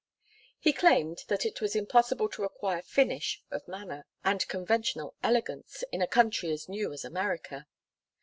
He claimed that it was impossible to acquire finish of manner and conventional elegance in a country as new as America.